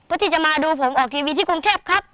เพื่อที่จะมาดูผมออกทีวีที่กรุงเทพครับ